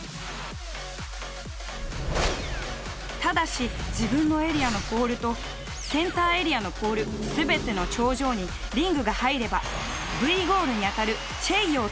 ただし自分のエリアのポールとセンターエリアのポール全ての頂上にリングが入ればＶゴールに当たるチェイヨー達成！